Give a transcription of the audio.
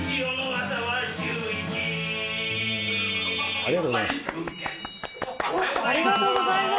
ありがとうございます。